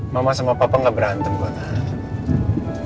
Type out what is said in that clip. mama sama papa nggak berantem kok nah